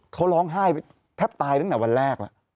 เขาร้องไห้แทบตายตั้งแต่วันแรกแล้ว